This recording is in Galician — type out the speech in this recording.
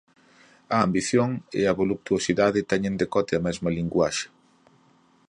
A ambición e a voluptuosidade teñen decote a mesma linguaxe.